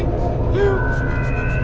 ya pak rt